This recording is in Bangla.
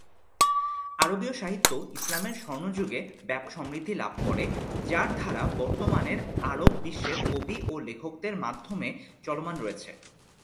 আরবীয় সাহিত্য ইসলামের স্বর্ণযুগে ব্যাপক সমৃদ্ধি লাভ করে, যার ধারা বর্তমানের আরব বিশ্বের কবি ও লেখকদের মাধ্যমে চলমান রয়েছে।